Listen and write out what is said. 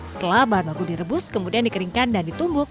setelah barbaku direbus kemudian dikeringkan dan ditumbuk